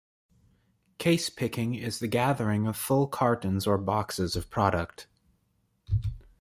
Case picking is the gathering of full cartons or boxes of product.